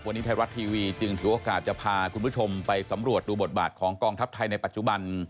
วันนี้ไทยรัฐทีวีจึงถือโอกาสจะพาคุณผู้ชมไปสำรวจดูบทบาทของกองทัพไทยในปัจจุบัน